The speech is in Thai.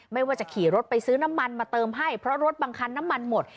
ไม่ว่าจะขี่รถไปซื้อน้ำมันมาเติมให้เพราะรถบางคันน้ำมันหมด